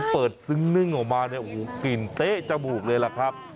ก็เปิดซึ้งนึ่งออกมากลิ่นเต๊ะจมูกเลยครับ